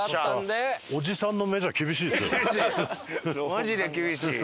マジで厳しい。